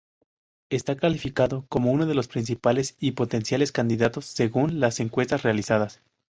Está calificado como uno de los principales y potenciales candidatos según las encuestas realizadas.